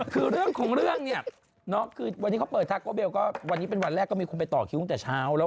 คือเรื่องของเรื่องเนี่ยคือวันนี้เขาเปิดทาโกเบลก็วันนี้เป็นวันแรกก็มีคนไปต่อคิวตั้งแต่เช้าแล้ว